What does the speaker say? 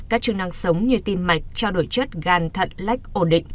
các chức năng sống như tim mạch trao đổi chất gan thận lách ổn định